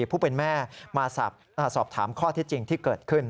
ผู้เป็นแม่มาสอบถามข้อที่จริงที่เกิดขึ้น